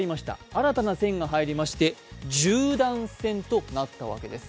新たな線が入りまして十段線となったわけです